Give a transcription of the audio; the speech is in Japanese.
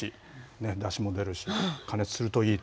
だしも出るし、加熱するといいと。